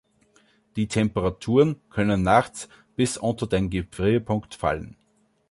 Die Temperaturen können nachts bis unter den Gefrierpunkt fallen.